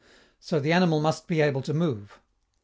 So the animal must be able to move.